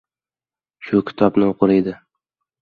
Shu kitobni o‘qir edi.